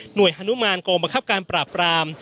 โดยฮานุมานกองบังคับการปราบราม